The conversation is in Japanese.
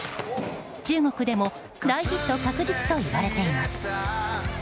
中国でも大ヒット確実といわれています。